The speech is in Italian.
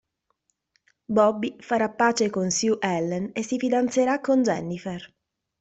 Bobby farà pace con Sue Ellen e si fidanzerà con Jennifer.